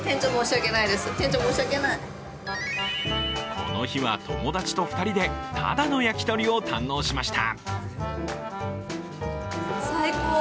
この日は友達と２人でタダの焼き鳥を堪能しました。